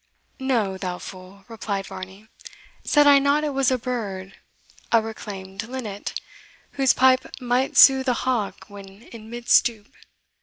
"No, thou fool," replied Varney, "said I not it was a bird a reclaimed linnet, whose pipe might soothe a hawk when in mid stoop?